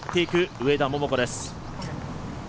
上田桃子です。